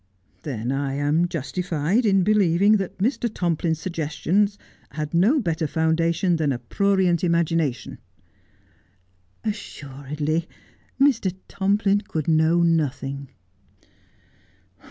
' Then I am justified in believing that Mr. Tomplin's sugges tions had no better foundation than a prurient imagination.' ' Assuredly Mx. Tomplin could know nothing.'